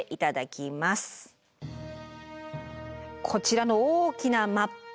こちらの大きなマップ